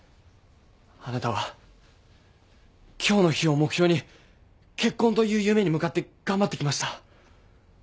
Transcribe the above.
あなたは今日の日を目標に結婚という夢に向かって頑張ってきました。